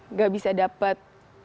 nggak bisa dapat